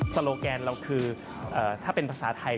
โลแกนเราคือถ้าเป็นภาษาไทย